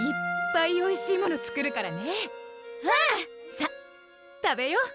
さっ食べよう。